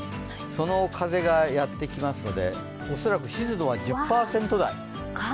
その風がやってきますので、恐らく湿度は１０％台。